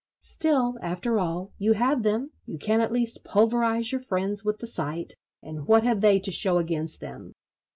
Still, after all, you have them; you can at least pulverise your friends with the sight; and what have they to show against them?